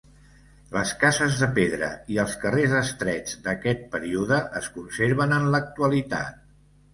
Les cases de pedra i els carrers estrets d'aquest període es conserven en l'actualitat.